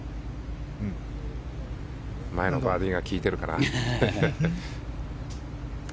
前のバーディーが効いてるかな。